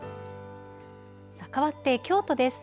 さあ、かわって京都です。